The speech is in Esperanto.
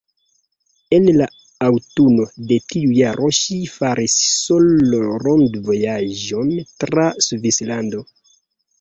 En la aŭtuno de tiu jaro ŝi faris solo-rondvojaĝon tra Svislando.